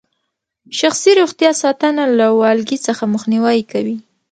شخصي روغتیا ساتنه له والګي څخه مخنیوي کوي.